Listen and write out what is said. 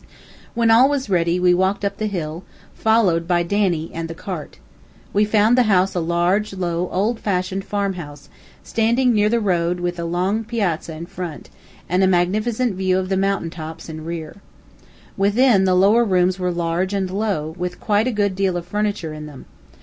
When all was ready, we walked up the hill, followed by Danny and the cart. We found the house a large, low, old fashioned farm house, standing near the road with a long piazza in front, and a magnificent view of mountain tops in the rear. Within, the lower rooms were large and low, with quite a good deal of furniture in them.